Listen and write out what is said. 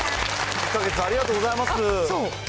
１か月ありがとうございます。